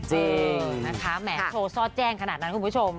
จริงนะคะแหมโชว์ซ่อแจ้งขนาดนั้นคุณผู้ชม